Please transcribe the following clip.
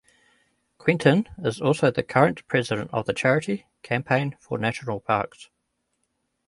Quentin is also the current president of the charity, Campaign for National Parks.